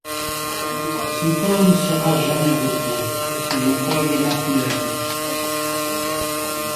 Son corps ne sera jamais retrouvé, ayant probablement coulé à pic.